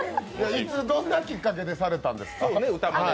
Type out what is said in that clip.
いつ、どんなきっかけでされたんですか？